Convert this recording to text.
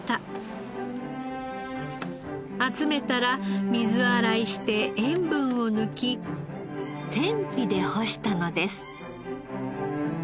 集めたら水洗いして塩分を抜き天日で干したのです。